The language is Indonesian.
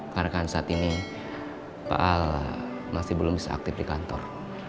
karena saat ini pak al masih belum bisa aktif di kantor